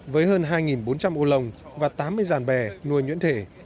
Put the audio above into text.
với hơn hai bốn trăm linh ô lồng và tám mươi dàn bè nuôi nhuyễn thể